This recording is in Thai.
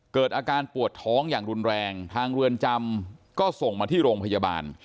เกิดอาการปวดท้องอย่างรุนแรงทางเรือนจำก็ส่งมาที่โรงพยาบาล